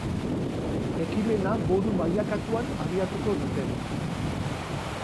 Ekimena modu mailakatuan abiatuko dute.